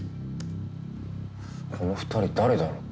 この２人誰だろう？